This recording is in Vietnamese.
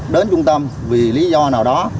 đến trung tâm vì lý do nào đó